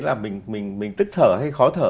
là mình tức thở hay khó thở